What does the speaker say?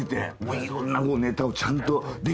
いろんなネタをちゃんとできて。